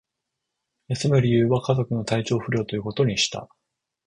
休む理由は、家族の体調不良ということにした